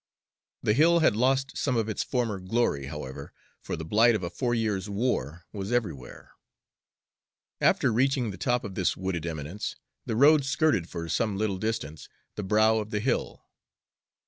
The Hill had lost some of its former glory, however, for the blight of a four years' war was everywhere. After reaching the top of this wooded eminence, the road skirted for some little distance the brow of the hill.